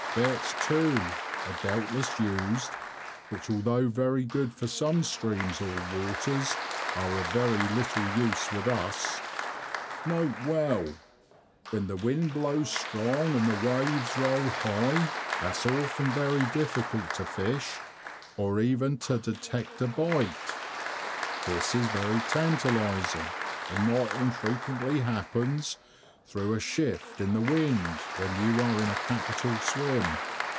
Baits, too, are doubtless used which, although very good for some streams or waters, are of very little use with us. N.B.—"When the wind blows strong and the waves roll high," it is often very difficult to fish or even to detect a bite. This is very tantalising, and not infrequently happens through a shift in the wind when you are in a capital "swim."